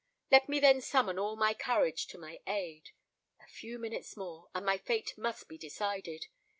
Let me then summon all my courage to my aid: a few minutes more, and my fate must be decided!